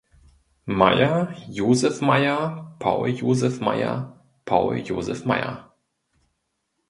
Meier, Joseph Meier, Paul Joseph Meier, Paul Josef Meier